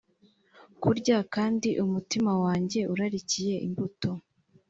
kurya kandi umutima wanjye urarikiye imbuto